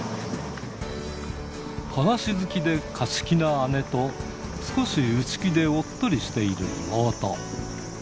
話好きで勝ち気な姉と、少し内気でおっとりしている妹。